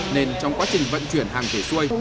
nên trong quá trình vận chuyển hàng về xuôi